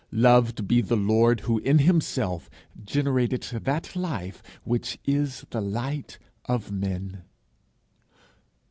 Loved be the Lord who in himself generated that life which is the light of men!